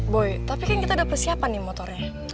boy tapi kan kita udah persiapan nih motornya